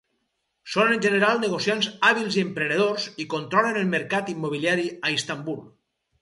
Són en general negociants hàbils i emprenedors i controlen el mercat immobiliari a Istanbul.